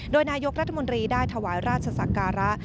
โดยนายกรัฐมนตรีได้ถวายราชศักระ